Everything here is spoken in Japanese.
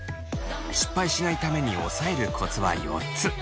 失敗しないためにおさえるコツは４つ。